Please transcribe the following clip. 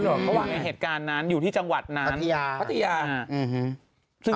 เอาเหรอค่ะพอเห็นเหตุการณ์นั้นอยู่ที่จังหวัดนั้นพัทยาเออฮืม